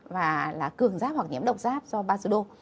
và là cường giáp hoặc nhiễm độc giáp do basdo